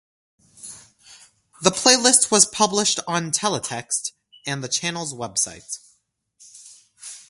The playlist was published on teletext and the channel's website.